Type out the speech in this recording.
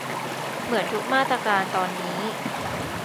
เหมือนทุกมาตราการตอนนี้